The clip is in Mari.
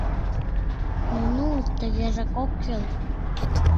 Ну-ну, тыгежак ок кӱл!